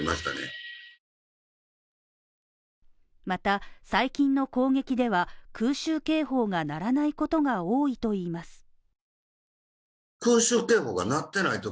また、最近の攻撃では、空襲警報が鳴らないことが多いといいます。